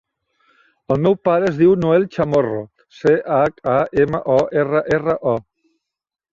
El meu pare es diu Noel Chamorro: ce, hac, a, ema, o, erra, erra, o.